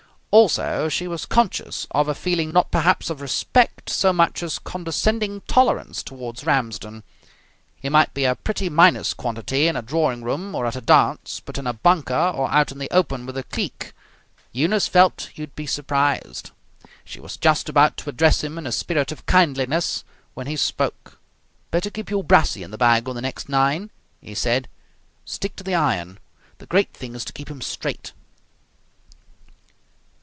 Also, she was conscious of a feeling not perhaps of respect so much as condescending tolerance towards Ramsden. He might be a pretty minus quantity in a drawing room or at a dance, but in a bunker or out in the open with a cleek, Eunice felt, you'd be surprised. She was just about to address him in a spirit of kindliness, when he spoke. "Better keep your brassey in the bag on the next nine," he said. "Stick to the iron. The great thing is to keep 'em straight!"